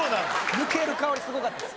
抜ける香りすごかったです。